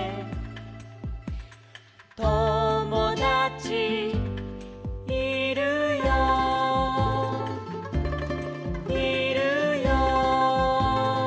「ともだちいるよいるよいるよ」